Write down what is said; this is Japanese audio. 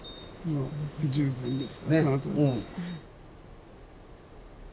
もう十分です。